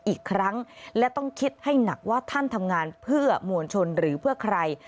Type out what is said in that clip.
อีกครั้งและต้องคิดให้หนักว่าท่านทำงานเพื่อมวลชนหรือเพื่อใคร